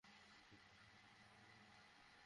তিনি একজন সাহসী মহিলা।